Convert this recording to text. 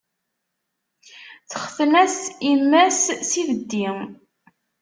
Texten-as imma-s s ibeddi.